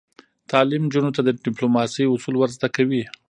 تعلیم نجونو ته د ډیپلوماسۍ اصول ور زده کوي.